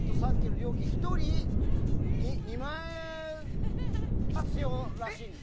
料金は１人２万円必要らしいんです。